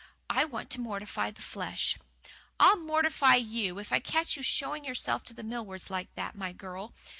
I want to mortify the flesh " "I'll 'mortify' you, if I catch you showing yourself to the Millwards like that, my girl!